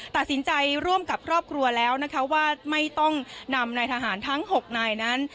ตัดสินใจร่วมกับครอบครัวแล้วนะคะว่าไม่ต้องนำนายทหารทั้ง๖นายนั้น